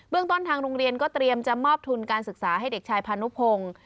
ต้นทางโรงเรียนก็เตรียมจะมอบทุนการศึกษาให้เด็กชายพานุพงศ์